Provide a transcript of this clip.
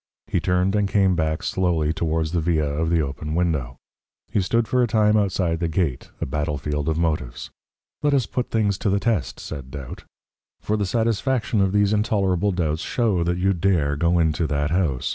He turned and came back slowly towards the villa of the open window. He stood for a time outside the gate, a battlefield of motives. "Let us put things to the test," said Doubt. "For the satisfaction of these intolerable doubts, show that you dare go into that house.